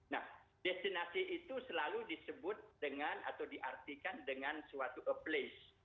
nah destination itu selalu disebut dengan atau diartikan dengan suatu a place